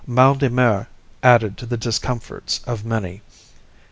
Mal de mer added to the discomforts of many.